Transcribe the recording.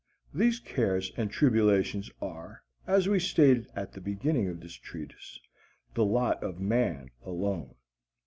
These cares and tribulations are, as we stated at the beginning of this treatise, the lot of man alone.